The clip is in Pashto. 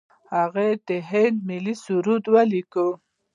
هغه د هند ملي سرود لیکلی.